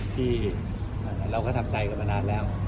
ที่เราก็ทำใจกันมานานแล้ว